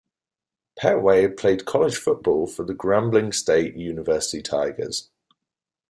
Pettway played college football for the Grambling State University Tigers.